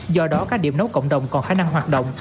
do đó các điểm nấu cộng đồng còn khả năng hoạt động